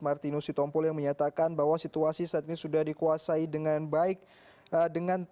martinus sitompul yang menyatakan bahwa situasi saat ini sudah dikuasai dengan baik dengan